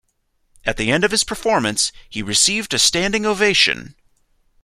At the end of his performance he received a standing ovation.